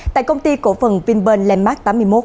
tại công ty cổ phần vingroup landmark tám mươi một